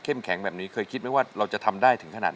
เปลี่ยนเพลงเพลงเก่งของคุณและข้ามผิดได้๑คำ